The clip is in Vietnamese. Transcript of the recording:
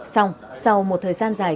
xong sau một thời gian dài